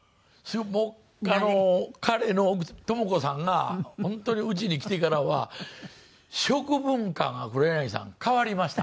もう彼の智子さんが本当にうちに来てからは食文化が黒柳さん変わりました。